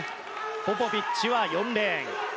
ポポビッチは４レーン。